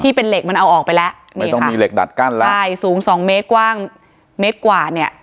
เป็นเหล็กมันเอาออกไปแล้วไม่ต้องมีเหล็กดัดกั้นแล้วใช่สูงสองเมตรกว้างเมตรกว่าเนี่ย